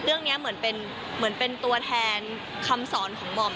เรื่องนี้เหมือนเป็นตัวแทนคำสอนของหม่อม